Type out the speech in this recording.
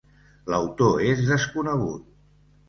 L'autor és desconegut.